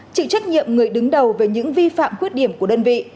chịu trách nhiệm người đứng đầu về những vi phạm khuyết điểm của đơn vị